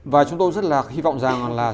và chúng tôi rất là hy vọng rằng là